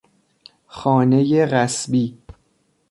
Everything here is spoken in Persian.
خانهی غصبی